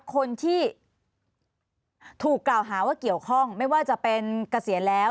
คนที่ถูกกล่าวหาว่าเกี่ยวข้องไม่ว่าจะเป็นเกษียณแล้ว